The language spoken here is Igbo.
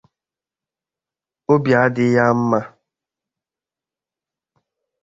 obi adị ya mma.